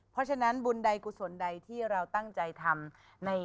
เพราะฉะนั้นบุญใดกุศลใดที่เราตั้งใจทำ